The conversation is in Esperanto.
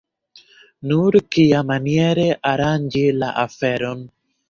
Nur kiamaniere aranĝi la aferon?